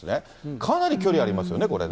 かなり距離ありますよね、これね。